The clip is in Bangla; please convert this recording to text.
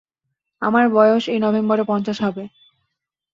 আমার বয়স এই নভেম্বরে পঞ্চাশ হবে।